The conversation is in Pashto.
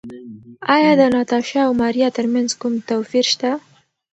ایا د ناتاشا او ماریا ترمنځ کوم توپیر شته؟